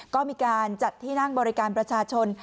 ก็มีการจัดที่นั่งบริการประชาชน